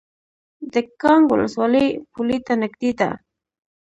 د کانګ ولسوالۍ پولې ته نږدې ده